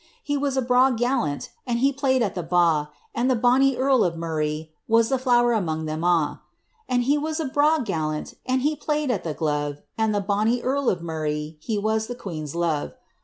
He was a braw gallant, And he played at the ba',' And the bonny earl of Murray Was the flower among them a*. He was a braw gallant, And he played at the gluve ; And the bonny earl of Murray, He was the queen's luve.